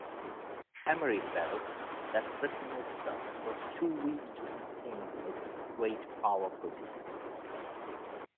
Amery felt that Britain itself was too weak to maintain its great power position.